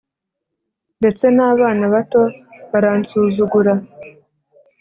ndetse n’abana bato baransuzugura